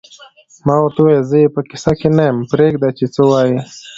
ما ورته وویل: زه یې په کیسه کې نه یم، پرېږده چې څه وایې.